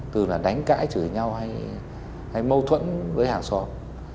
từ là đánh cãi chửi nhau hay mâu thuẫn với hàng xóm